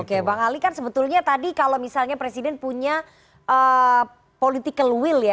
oke bang ali kan sebetulnya tadi kalau misalnya presiden punya political will ya